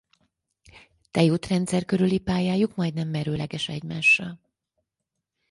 Tejútrendszer körüli pályájuk majdnem merőleges egymásra.